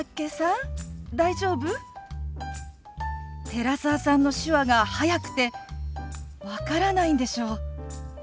寺澤さんの手話が速くて分からないんでしょ。